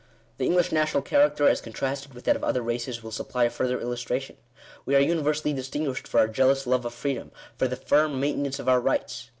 The English national character, as contrasted with that of other races, will supply a further illustration. We are universally distinguished for our jealous love of freedom — for the firm maintenance of our rights.